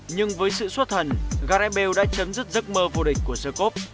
nhưng với sự suốt thần garibald đã chấm dứt giấc mơ vô địch của sercop